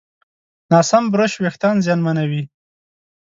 ناسم برش وېښتيان زیانمنوي.